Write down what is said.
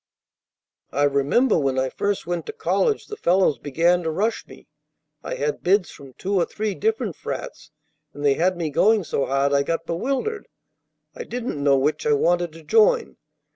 "I remember when I first went to college the fellows began to rush me. I had bids from two or three different frats, and they had me going so hard I got bewildered. I didn't know which I wanted to join.